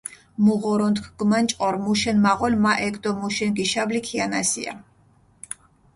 მუ ღორონთქ გჷმანჭყორ, მუშენ მაღოლ მა ექ დო მუშენ გიშაბლი ქიანასია.